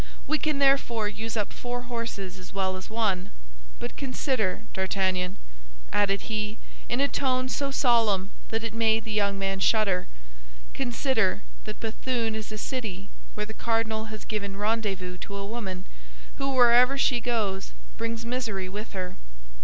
We can therefore use up four horses as well as one. But consider, D'Artagnan," added he, in a tone so solemn that it made the young man shudder, "consider that Béthune is a city where the cardinal has given rendezvous to a woman who, wherever she goes, brings misery with her.